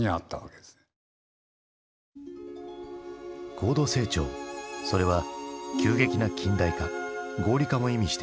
高度成長それは急激な近代化合理化も意味していた。